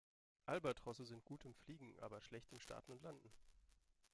Albatrosse sind gut im Fliegen, aber schlecht im Starten und Landen.